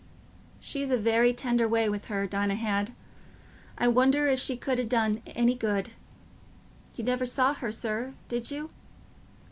She'd a very tender way with her, Dinah had; I wonder if she could ha' done any good. You never saw her, sir, did you?"